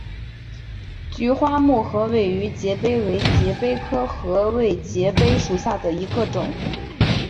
菊花木合位节蜱为节蜱科合位节蜱属下的一个种。